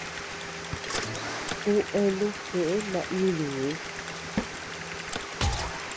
Ú eanu jeʼe naídii.